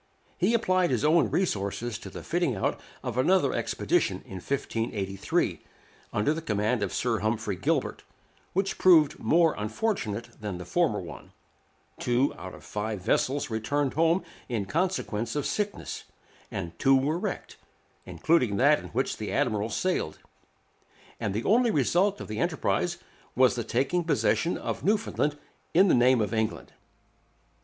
He applied his own resources to the fitting out of another expedition in 1583, under command of Sir Humphrey Gilbert, which proved more unfortunate than the former one; two out of five vessels returned home in consequence of sickness, and two were wrecked, including that in which the admiral sailed; and the only result of the enterprise was the taking possession of Newfoundland in the name of England.